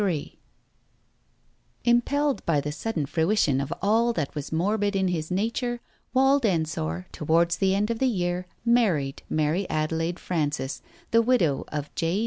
Ill Impelled by the sudden fruition of all that was morbid in his nature, Wald Ensor, towards the end of the year, married Mary Adelaide Frances, the widow of J.